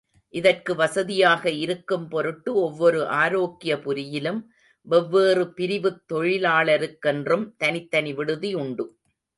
இதற்கு வசதியாக இருக்கும் பொருட்டு ஒவ்வொரு ஆரோக்கியபுரியிலும் வெவ்வேறு பிரிவுத் தொழிலாளருக்கென்றும் தனித்தனி விடுதி உண்டு.